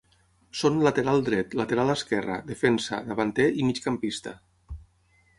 Són lateral dret, lateral esquerra, defensa, davanter i migcampista.